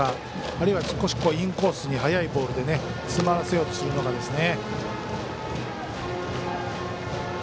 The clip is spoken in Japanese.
あるいは少しインコースに速いボールで詰まらせようとするのかですね。